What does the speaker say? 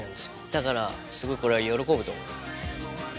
だからすごいこれは喜ぶと思います。